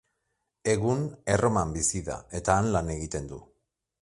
Egun Erroman bizi da, eta han lan egiten du.